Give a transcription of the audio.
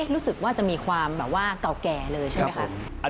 รู้สึกว่าจะมีความแบบว่าเก่าแก่เลยใช่ไหมคะ